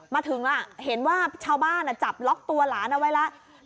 มาถึงเห็นว่าชาวบ้านจับล็อกตัวหลานเอาไว้แล้ว